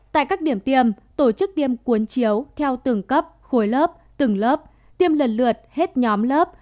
tại các điểm tiêm tổ chức tiêm cuốn chiếu theo từng cấp khối lớp từng lớp tiêm lần lượt hết nhóm lớp